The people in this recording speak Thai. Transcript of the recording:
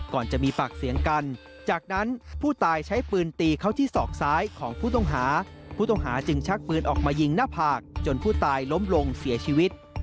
ก่อนจะมีปากเสียงกันจากนั้นผู้ตายใช้ปืนตีเข้าที่ศอกซ้ายของผู้ต้องหาผู้ต้องหาจึงชักปืนออกมายิงหน้าผากจนผู้ตายล้มลงเสียชีวิต